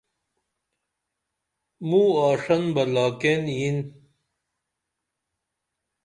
مو آݜن بہ لاکین یِن